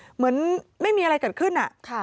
เหมือนไม่มีอะไรเกิดขึ้น